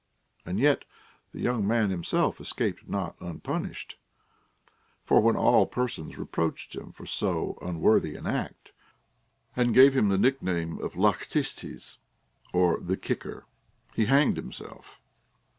And yet the young man himself escaped not unpunished ; for when all persons reproached him for so unworthy an act, and gave him the nickname of Αα•/.τιςτ)[ς, or the kicker, he hanged himself.